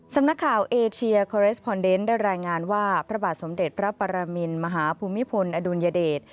สำนักข่าวเอเชียคอเรสคอนเดนต์ได้รายงานว่าพระบาทสมเด็จพระปรมินมหาภูมิพลอดุลยเดช